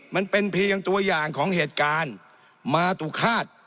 มันเป็นเพียงตัวอย่างของเหตุการณ์มาตุฆาต